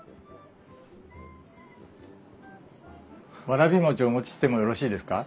わらび餅お持ちしてもよろしいですか？